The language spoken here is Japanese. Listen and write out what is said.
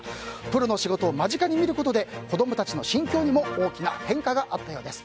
プロの仕事を間近に見ることで子供たちの心境にも大きな変化があったようです。